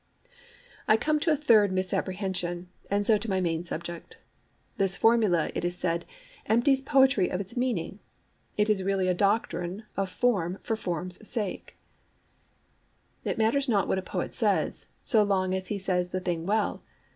I come to a third misapprehension, and so to my main subject. This formula, it is said, empties poetry of its[Pg 11] meaning: it is really a doctrine of form for form's sake. WHERE DOES IT LIE? 'It matters not what a poet says, so long as he says the thing well.